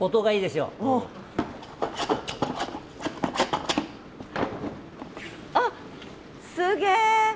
すげえ！